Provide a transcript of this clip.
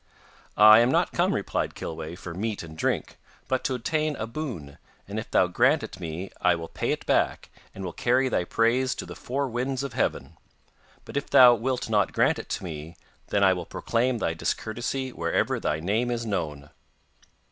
'I am not come,' replied Kilweh, 'for meat and drink, but to obtain a boon, and if thou grant it me I will pay it back, and will carry thy praise to the four winds of heaven. But if thou wilt not grant it to me, then I will proclaim thy discourtesy wherever thy name is known.